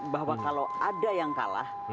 bahwa kalau ada yang kalah